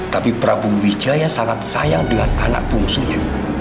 tapi prabu wijaya sangat sayang dengan anak bungsunya